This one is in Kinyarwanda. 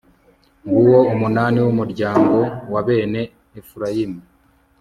nguwo umunani w'umuryango wa bene efurayimu